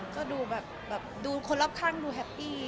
ก็ดูแบบดูคนรอบข้างดูแฮปปี้